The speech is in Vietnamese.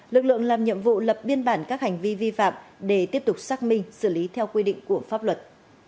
lực lượng làm nhiệm vụ lập biên bản các hành vi vi phạm để tiếp tục xác minh xử lý theo quy định của pháp luật